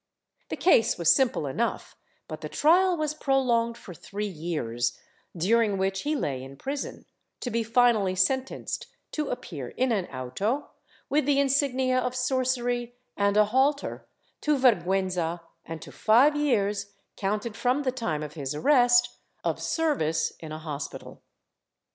The case was simple enough but the trial was prolonged for three years, during which he lay in prison, to be finally sentenced to appear in an auto, with the insignia of sorcery and a halter, to vergiienza and to five years (counted from the time of his arrest) of service in a hospital.